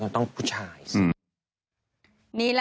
ท้องนะโอเค